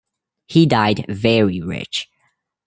He died very rich.